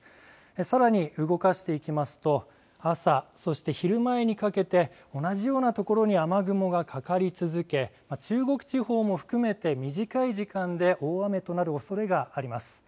さらに動かしていきますと朝、そして昼前にかけて同じような所に雨雲がかかり続け中国地方も含めて短い時間で大雨となるおそれがあります。